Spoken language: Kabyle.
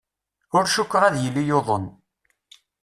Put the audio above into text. Ur cukkeɣ ad yili yuḍen.